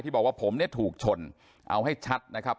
บอกว่าผมเนี่ยถูกชนเอาให้ชัดนะครับ